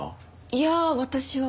いや私は。